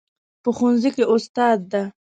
په ښوونځي کې استاد ده